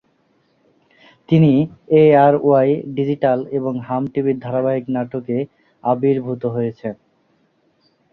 তিনি ARY digital এবং হাম টিভির ধারাবাহিক নাটকে আবির্ভূত হয়েছেন।